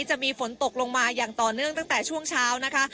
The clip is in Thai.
จะมีฝนตกลงมาอย่างต่อเนื่องตั้งแต่ช่วงเช้านะคะ